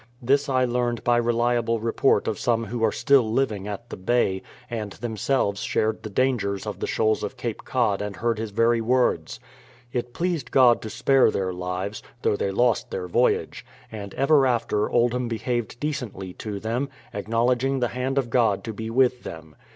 This I learned by rehable report of some who are still living at the Bay, and themselves shared the dangers of the shoals of Cape Cod and heard his very words. It pleased God to spare their lives, though they lost their voyage; and ever after Oldham behaved decently to them, acknowledging the hand of God to be with them.